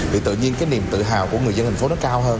vì tự nhiên cái niềm tự hào của người dân thành phố nó cao hơn